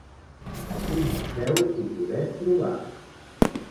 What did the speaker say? A quin museu ho podem trobar?